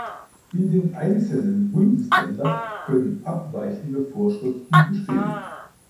In den einzelnen Bundesländern können abweichende Vorschriften bestehen.